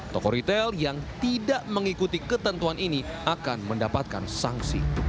toko retail yang tidak mengikuti ketentuan ini akan mendapatkan sanksi